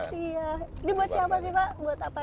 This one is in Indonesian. ini buat siapa sih pak